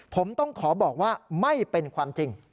ผมต้องขอบอกว่าไม่เป็นความจริง